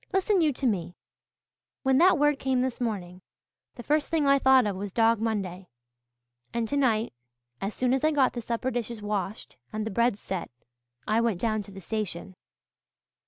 Listen you to me. When that word came this morning the first thing I thought of was Dog Monday. And tonight, as soon as I got the supper dishes washed and the bread set, I went down to the station.